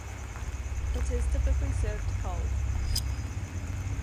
It is typically served cold.